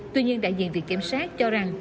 tuy nhiên đại diện việc kiểm soát cho rằng